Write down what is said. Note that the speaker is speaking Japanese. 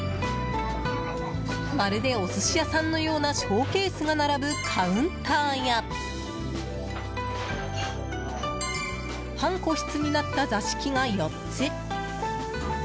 まるで、お寿司屋さんのようなショーケースが並ぶカウンターや半個室になった座敷が４つ。